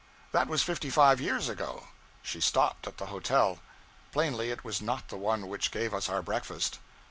That was fifty five years ago. She stopped at the hotel. Plainly it was not the one which gave us our breakfast.